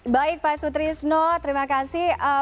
baik pak sutrisno terima kasih